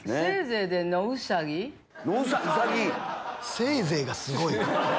せいぜいがすごい！